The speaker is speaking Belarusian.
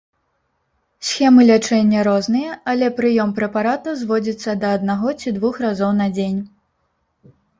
Схемы лячэння розныя, але прыём прэпарата зводзіцца да аднаго ці двух разоў на дзень.